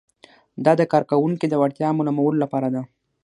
دا د کارکوونکي د وړتیا معلومولو لپاره ده.